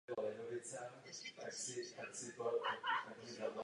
Ale protože žije jen v bytě, až tolik příežitostí k pohybu nemá.